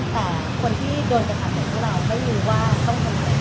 แต่คนที่โดนตะต่อไปก็ไม่รู้ว่ามันคำมัยต่อ